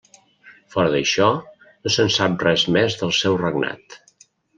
Fora d'això no se'n sap res més del seu regnat.